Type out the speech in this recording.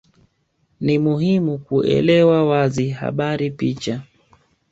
Ni muhimu kuelewa wazi habari picha